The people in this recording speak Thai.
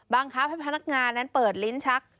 บังคับให้พนักงานนั้นเปิดลิ้นชัก